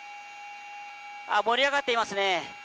盛り上がっていますね。